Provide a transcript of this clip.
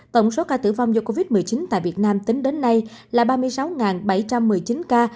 tổng số ca tử vong do covid một mươi chín tại việt nam tính đến nay là ba mươi sáu bảy trăm một mươi chín ca